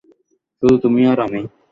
শুধু তুমি আর আমি।